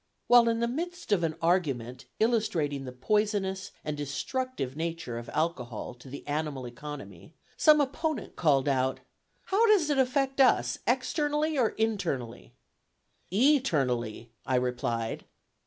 While in the midst of an argument illustrating the poisonous and destructive nature of alcohol to the animal economy, some opponent called out, "How does it affect us, externally or internally?" "E ternally," I replied.